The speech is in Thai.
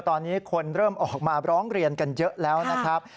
ตอนนี้คนเริ่มออกมาร้องเรียนกันเยอะแล้วนะครับ